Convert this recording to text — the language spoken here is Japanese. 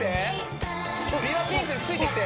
美バピンクについてきて！